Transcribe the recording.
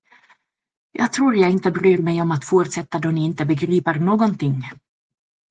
Jag tror jag inte bryr mig om att fortsätta, då ni inte begriper någonting.